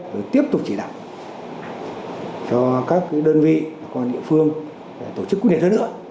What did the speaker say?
và tiếp tục chỉ đảm cho các đơn vị công an địa phương để tổ chức quyết liệt hơn nữa